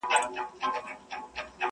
وخت را ښیي مطلبي یاران پخپله.